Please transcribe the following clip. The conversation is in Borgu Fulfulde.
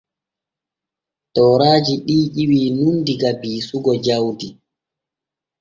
Tooraaji ɗi ƴiwu nun diga biisugo jawdi.